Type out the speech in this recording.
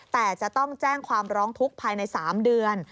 แต่จะต้องแจ้งความร้องทุกข์ภายใน๓เดือน